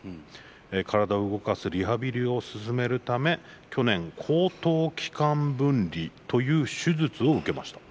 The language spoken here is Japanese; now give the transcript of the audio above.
体を動かすリハビリを進めるため去年喉頭気管分離という手術を受けました。